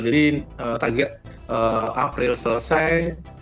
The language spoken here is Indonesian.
jadi target april selesai